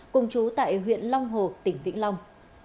cùng chú tại huyện long hồ tỉnh vĩnh long